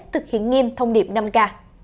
thực hiện nghiêm thông điệp năm k